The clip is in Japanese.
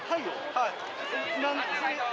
はい。